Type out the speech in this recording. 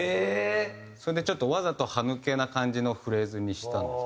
それでちょっとわざと歯抜けな感じのフレーズにしたんです。